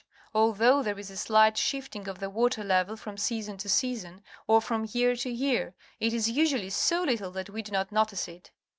Although there is a slight shifting of the water level from season to season or from year to year, it is usually so little that we do not notice it.